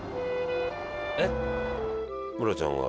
えっ？